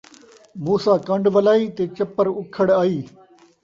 موسیٰ کن٘ڈ ولائی تے چپّر اُکھڑ آئی